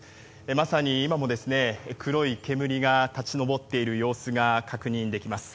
まさに今も黒い煙が立ち上っている様子が確認できます。